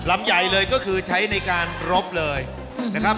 ลำใหญ่เลยก็คือใช้ในการรบเลยนะครับ